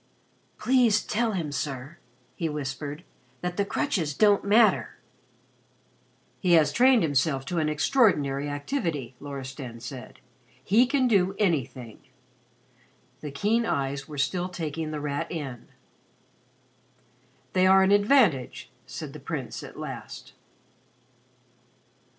"Please tell him, sir," he whispered, "that the crutches don't matter." "He has trained himself to an extraordinary activity," Loristan said. "He can do anything." The keen eyes were still taking The Rat in. "They are an advantage," said the Prince at last.